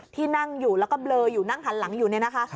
ที่นั่งอยู่แล้วก็เบลออยู่นั่งหันหลังอยู่เนี่ยนะคะ